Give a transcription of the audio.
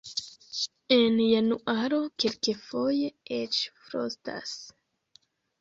En januaro kelkfoje eĉ frostas.